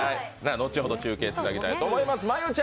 後ほど中継つなぎたいと思います。